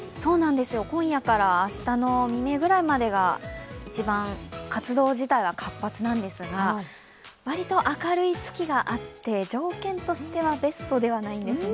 今夜から明日の未明ぐらいまでが一番、活動自体が活発なんですが割と明るい月があって、条件としてはベストではないんですね。